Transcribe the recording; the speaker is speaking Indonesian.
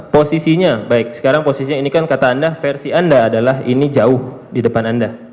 posisinya baik sekarang posisinya ini kan kata anda versi anda adalah ini jauh di depan anda